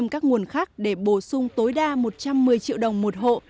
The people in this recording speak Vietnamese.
các nguồn khác để bổ sung tối đa một trăm một mươi triệu đồng một hộ